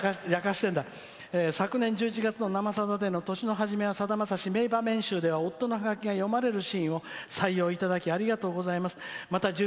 「昨年１１月の「生さだ」での「年の初めはさだまさし」名場面集では夫のハガキが読まれるシーンを採用いただきありがとうございました。